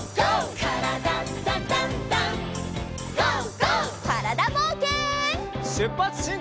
からだぼうけん。